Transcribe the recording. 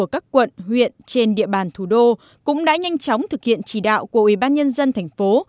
các quận huyện trên địa bàn thủ đô cũng đã nhanh chóng thực hiện chỉ đạo của ủy ban nhân dân thành phố